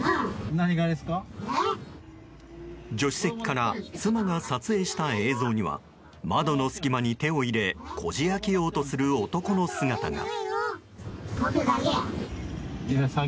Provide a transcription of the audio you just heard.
助手席から妻が撮影した映像には窓の隙間に手を入れこじ開けようとする男の姿が。